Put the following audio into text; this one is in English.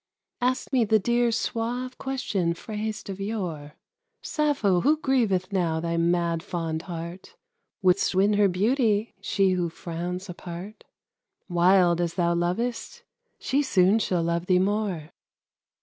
Ask me the dear suave question phrased of yore; "Sappho, who grieveth now thy mad fond heart? Wouldst win her beauty, she who frowns apart? Wild as thou lovest, she soon shall love thee more."